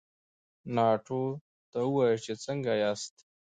ناټو ته ووایاست چې څنګه ياست؟